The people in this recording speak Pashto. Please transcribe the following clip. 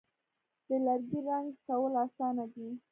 د لرګي رنګ کول آسانه دي.